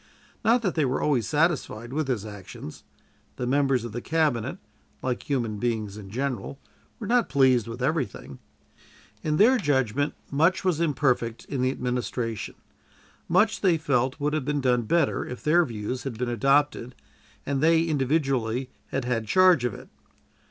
Not that they were always satisfied with his actions; the members of the Cabinet, like human beings in general, were not pleased with everything. In their judgment much was imperfect in the administration; much, they felt, would have been done better if their views had been adopted and they individually had had charge of it.